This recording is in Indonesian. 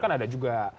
kan ada juga